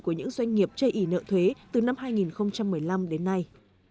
của những doanh nghiệp chê ý nợ thuế từ năm hai nghìn một mươi năm đến nay